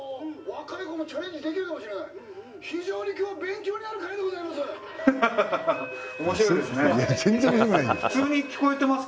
若い子もチャレンジできるかもしれない非常に今日勉強になる回でございます！